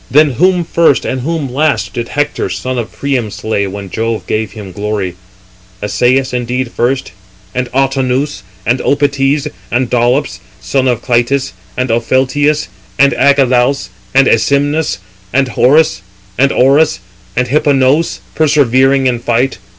Then whom first and whom last, did Hector, son of Priam, slay, when Jove gave him glory? Assæus indeed first, and Autonoüs, and Opites, and Dolops, son of Clytis, and Opheltius, and Agelaus, and Æsymnus, and Orus, and Hipponoüs, persevering in fight.